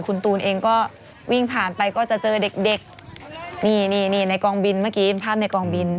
คุณตูนเองก็วิ่งผ่านไปก็จะเจอเด็กเด็กนี่นี่ในกองบินเมื่อกี้ภาพในกองบิน